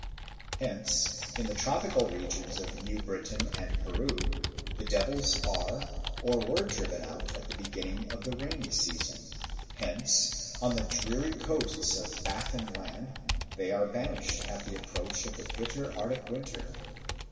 Hence, in the tropical regions of New Britain and Peru, the devils are or were driven out at the beginning of the rainy season; hence, on the dreary coasts of Baffin Land, they are banished at the approach of the bitter Arctic winter.